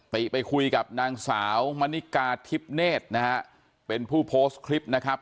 ติไปคุยกับนางสาวมณิกาทิพย์เนธนะฮะเป็นผู้โพสต์คลิปนะครับ